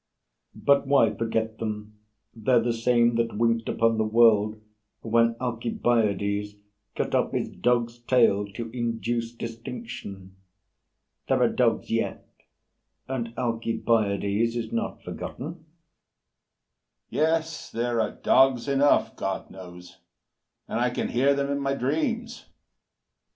BURR But why forget them? They're the same that winked Upon the world when Alcibiades Cut off his dog's tail to induce distinction. There are dogs yet, and Alcibiades Is not forgotten. HAMILTON Yes, there are dogs enough, God knows; and I can hear them in my dreams.